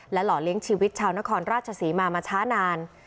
หล่อเลี้ยงชีวิตชาวนครราชศรีมามาช้านาน